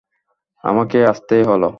আমাকে আসতেই হল।